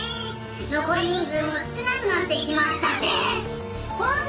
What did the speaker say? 「残り人数も少なくなってきましたデス」